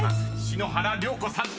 篠原涼子さん！］